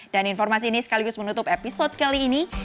dan informasi ini sekaligus menutup episode kali ini